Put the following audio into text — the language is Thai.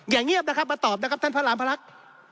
เงียบนะครับมาตอบนะครับท่านพระรามพลักษณ์